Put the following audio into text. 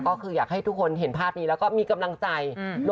ก็คืออยากให้ทุกคนเห็นภาพนี้แล้วก็มีกำลังใจ